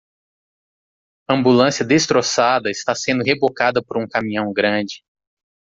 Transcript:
Ambulância destroçada está sendo rebocada por um caminhão grande.